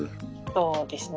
そうですね。